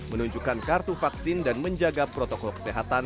menunjukkan kartu vaksin dan menjaga protokol kesehatan